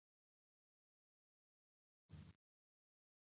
پرې را چاپېر شوي و، یوه بله ډله خلک.